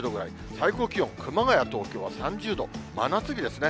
最高気温、熊谷、東京は３０度、真夏日ですね。